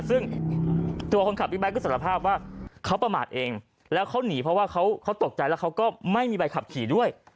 ซึ่งตัวคนขับบิ๊กไทก็สารภาพว่าเขาประมาทเองแล้วเขาหนีเพราะว่าเขาตกใจแล้วเขาก็ไม่มีใบขับขี่ด้วย